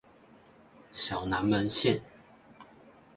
小南門線